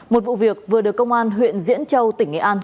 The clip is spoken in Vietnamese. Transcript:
một vụ việc vừa được công an huyện diễn châu tỉnh nghệ an